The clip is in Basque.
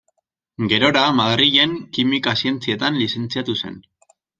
Gerora, Madrilen, Kimika Zientzietan lizentziatu zen.